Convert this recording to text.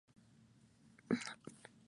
Hijo de Harry y Karen Sykes.